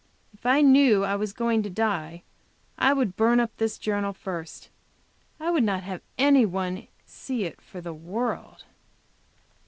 If knew I was going to die I would burn up this journal first. I would not have any one see it for the world.